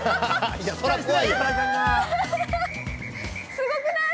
すごくない？